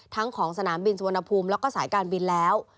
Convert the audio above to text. ของสนามบินสุวรรณภูมิแล้วก็สายการบินแล้ว